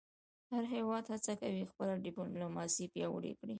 هر هېواد هڅه کوي خپله ډیپلوماسي پیاوړې کړی.